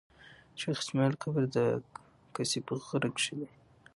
شېخ اسماعیل قبر د کسي په غره کښي دﺉ.